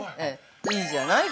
◆いいじゃない？